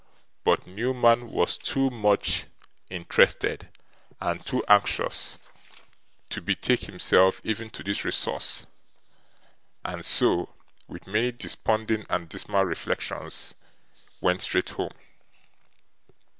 But, Newman was too much interested, and too anxious, to betake himself even to this resource, and so, with many desponding and dismal reflections, went straight home.